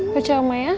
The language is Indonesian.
percaya sama oma ya